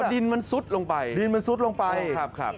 อ๋อดินมันซุดลงไปดินมันซุดลงไปครับ